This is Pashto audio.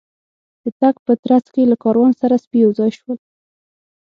د تګ په ترڅ کې له کاروان سره سپي یو ځای شول.